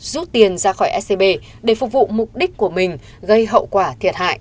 rút tiền ra khỏi scb để phục vụ mục đích của mình gây hậu quả thiệt hại